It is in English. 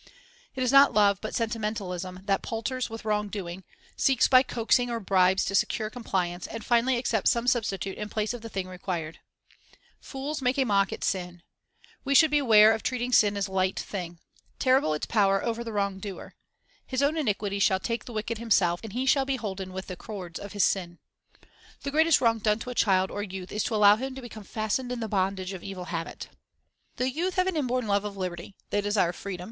It is not love but sentimentalism that palters with wrong doing, seeks by coaxing or bribes to secure compliance, and finally accepts some substitute in place of the thing required. Discipline 291 "Fools make a mock at sin." * We should beware of treating sin as a light thing. Terrible is its power over the wrong doer. "His own iniquities shall take the wicked himself, and he shall be hoi den with the cords of his sins." 2 The greatest wrong done to a child or youth is to allow him to become fastened in the bondage of evil habit. The youth have an inborn love of liberty; they desire freedom